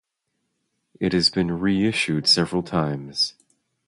It has been reissued several times.